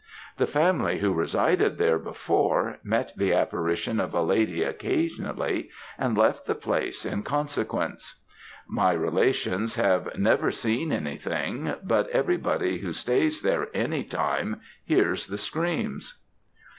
The family who resided there before, met the apparition of a lady occasionally, and left the place in consequence. My relations have never seen anything; but everybody who stays there any time hears the screams.